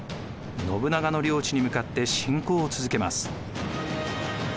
信長の領地に向かって侵攻を続けます。